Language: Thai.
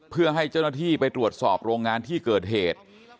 เพื่อให้เจ้าหน้าที่ไปตรวจสอบโรงงานที่เกิดเหตุ